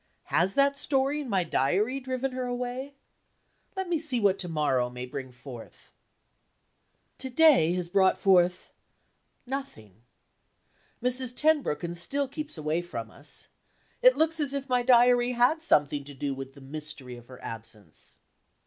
Has that story in my Diary driven her away? Let me see what to morrow may bring forth. To day has brought forth nothing. Mrs. Tenbruggen still keeps away from us. It looks as if my Diary had something to do with the mystery of her absence.